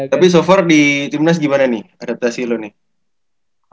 tapi so far di timnas gimana nih adaptasi lu nih